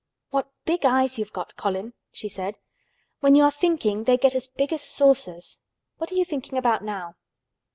"What big eyes you've got, Colin," she said. "When you are thinking they get as big as saucers. What are you thinking about now?"